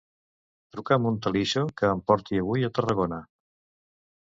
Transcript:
Truca'm un Talixo que em porti avui a Tarragona.